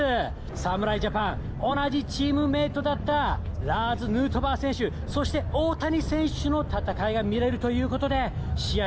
侍ジャパン、同じチームメートだったラーズ・ヌートバー選手、そして大谷選手の戦いが見れるということで、試合